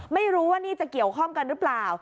ไม่รู้ว่านี่จะเกี่ยวข้องกันหรือเปล่า